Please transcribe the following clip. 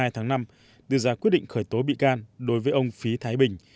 hai mươi tháng năm đưa ra quyết định khởi tố bị can đối với ông phí thái bình